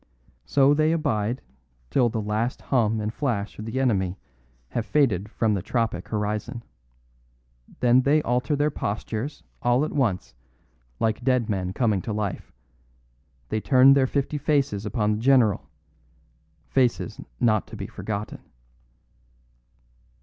So they abide till the last hum and flash of the enemy have faded from the tropic horizon. Then they alter their postures all at once, like dead men coming to life; they turn their fifty faces upon the general faces not to be forgotten."